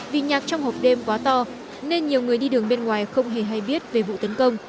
vì nhạc trong hộp đêm quá to nên nhiều người đi đường bên ngoài không hề hay biết về vụ tấn công